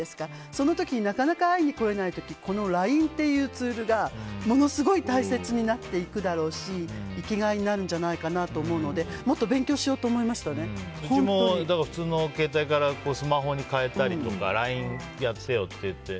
その時になかなか会いに来れない時このＬＩＮＥというツールがものすごい大切になっていくだろうし生きがいになるんじゃないかなと思うのでうちも普通の携帯からスマホに変えたりとかＬＩＮＥやってよって言って。